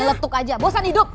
nyeletuk aja bosan hidup